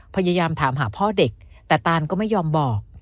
พยายามถามหาพ่อเด็กแต่ตานก็ไม่ยอมบอก